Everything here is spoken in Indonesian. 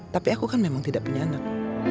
tapi aku kan memang tidak punya anak